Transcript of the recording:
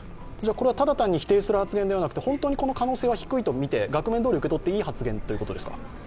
これはただ単に否定するわけではなくて、本当のこの可能性は低いとみて、額面どおり受け取っていい発言ですか？